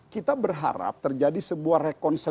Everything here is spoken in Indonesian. kita berharap terjadi sebuah rekonsiliasi